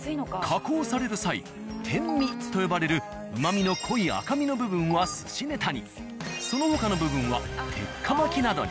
加工される際天身と呼ばれるうまみの濃い赤身の部分は寿司ネタにその他の部分は鉄火巻きなどに。